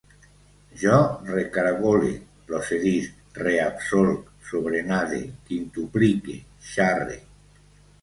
Jo recaragole, procedisc, reabsolc, sobrenade, quintuplique, xarre